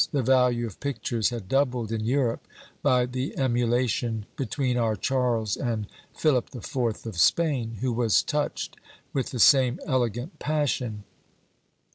"The value of pictures had doubled in Europe, by the emulation between our Charles and Philip the Fourth of Spain, who was touched with the same elegant passion."